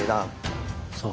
そう。